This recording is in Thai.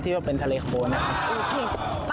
ว่าเป็นทะเลโคนนะครับ